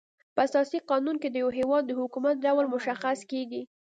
په اساسي قانون کي د یو هيواد د حکومت ډول مشخص کيږي.